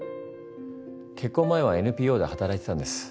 結婚前はＮＰＯで働いてたんです。